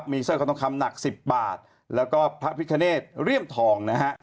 มีเส้นคำนัก๑๐บาทแล้วก็พระพิทธิ์ขนาดเรียมทองนะครับ